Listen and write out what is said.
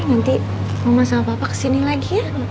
nanti mama sama papa kesini lagi ya